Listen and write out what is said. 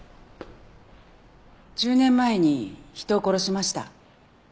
１０年前に人を殺しました。